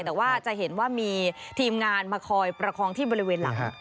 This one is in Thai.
แต่ว่าจะเห็นว่ามีทีมงานมาคอยประคองที่บริเวณหลัง